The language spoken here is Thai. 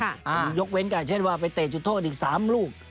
เดี๋ยวไปเตะจุดโทษอีก๓ลูก